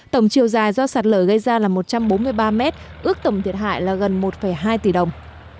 tổng chiều dài do sạt lở gây ra là một trăm bốn mươi ba mét ước tổng thiệt hại là gần một hai tỷ đồng